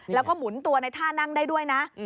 แล้วก็หมุนตัวในท่านั่งได้ด้วยนะ